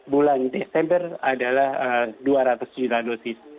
bulan desember adalah dua ratus juta dosis